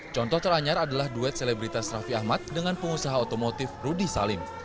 contoh teranyar adalah duet selebritas raffi ahmad dengan pengusaha otomotif rudy salim